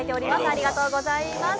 ありがとうございます。